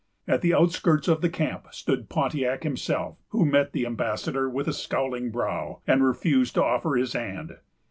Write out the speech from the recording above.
At the outskirts of the camp stood Pontiac himself, who met the ambassador with a scowling brow, and refused to offer his hand.